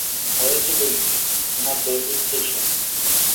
হয়েছে বৈকি, তোমার দৌহিত্রীর সঙ্গে।